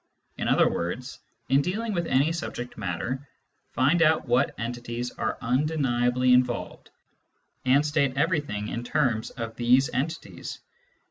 In other words, in dealing with any subject matter, find out what entities are undeniably involved, and state everything in terms of these entities.